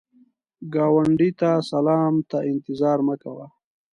ګاونډي ته سلام ته انتظار مه کوه